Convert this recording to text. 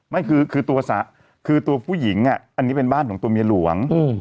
ไม่คือคือตัวสาคือตัวผู้หญิงอ่ะอันนี้เป็นบ้านของตัวเมียหลวง